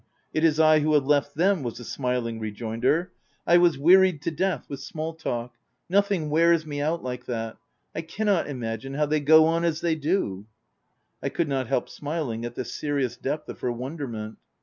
" It is I who have left them/' was the smiling rejoinder. u I was wearied to death with small talk — nothing wears me out like that. I can not imagine how they can go on as they do.'* I could not help smiling at the serious depth of her wonderment.